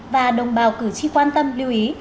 và đồng bào cử tri quan tâm lưu ý